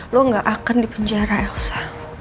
lo gak akan dipenjara elsa